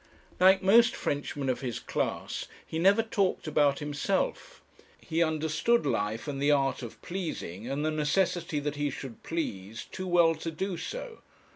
Like most Frenchmen of his class, he never talked about himself. He understood life, and the art of pleasing, and the necessity that he should please, too well to do so.